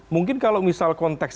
mungkin kalau misal konteks